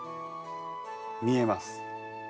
見えます。